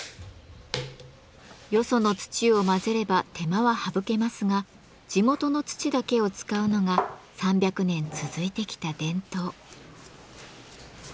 よその土を混ぜれば手間は省けますが地元の土だけを使うのが３００年続いてきた伝統。